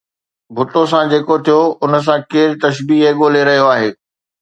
ڀُٽو سان جيڪو ٿيو ان سان ڪير تشبيهه ڳولي رهيو آهي؟